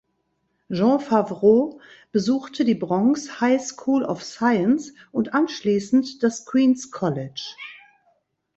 Jon Favreau besuchte die Bronx High School of Science und anschließend das Queens College.